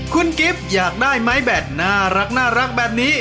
คุณกิฟต์อยากได้ไม้แบตน่ารักแบบนี้